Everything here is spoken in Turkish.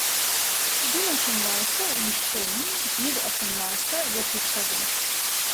Bin atın varsa inişte in, bir atın varsa yokuşta bin.